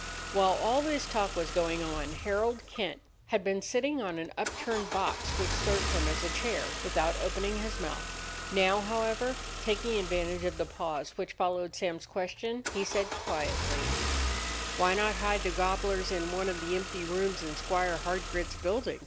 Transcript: While all this talk was going on, Harold Kent had been sitting on an upturned box which served him as a chair, without opening his mouth. Now, however, taking advantage of the pause which followed Sam's question, he said quietly,— "Why not hide the gobblers in one of the empty rooms in Squire Hardgrit's building?